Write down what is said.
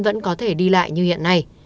vẫn có thể đi lại như hiện nay